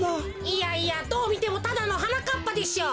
いやいやどうみてもただのはなかっぱでしょう。